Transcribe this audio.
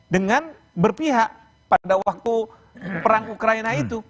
dengan berpihak pada waktu perang ukraina itu